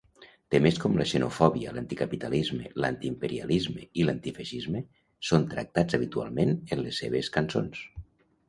Temes com la xenofòbia, l'anticapitalisme, l'antiimperialisme i l'antifeixisme són tractats habitualment en les seves cançons.